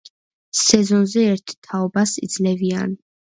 სეზონზე ერთ თაობას იძლევიან.